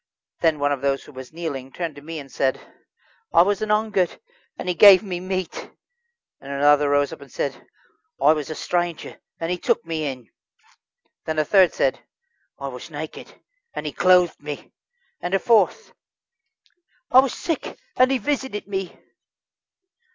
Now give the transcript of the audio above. Then one of those who was kneeling turned to me and said: "I was an hungred, and he gave me meat." And another rose up and said: "I was a stranger, and he took me in." Then a third said: "I was naked, and he clothed me." And a fourth: "I was sick, and he visited me."